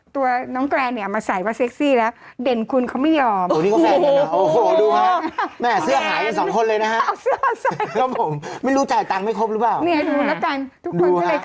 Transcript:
ตัวน้องแกรนเนี่ยมาใส่ว่าเซ็กซี่แล้วเด่นคุณเขาไม่ยอม